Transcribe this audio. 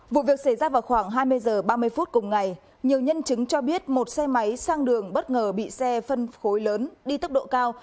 vụ việc xảy ra vào khoảng hai mươi h ba mươi phút cùng ngày nhiều nhân chứng cho biết một xe máy sang đường bất ngờ bị xe phân khối lớn đi tốc độ cao